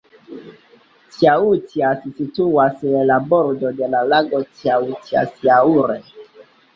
Tjautjas situas je la bordo de la lago Tjautjasjaure.